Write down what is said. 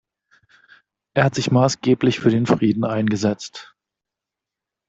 Er hat sich maßgeblich für den Frieden eingesetzt.